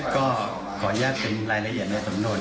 ก็ขออนุญาตเป็นรายละเอียดในสำนวน